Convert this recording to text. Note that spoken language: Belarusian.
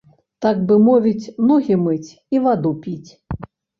Так бы мовіць, ногі мыць і ваду піць.